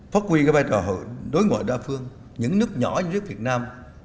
phát huy các vai trò đối ngoại đa phương những nước nhỏ như việt nam